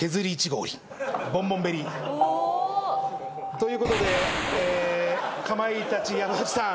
ということでかまいたち山内さん